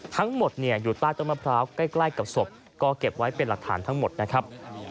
ทั้งหมดอยู่ใต้ต้นมะพร้าวใกล้กับศพก็เก็บไว้เป็นหลักฐานทั้งหมดนะครับ